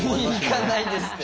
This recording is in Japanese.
行かないですって！